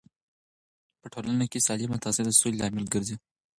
په ټولنه کې سالمه تغذیه د سولې لامل ګرځي.